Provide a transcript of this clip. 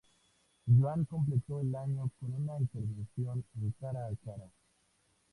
Joan completó el año con una intervención en "Cara a cara".